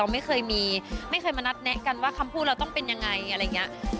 ไม่เคยมานัดแนะกันว่าคำพูดเราต้องเป็นยังไง